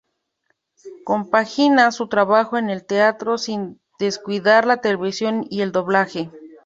Compagina su trabajo en el teatro sin descuidar la televisión y el doblaje.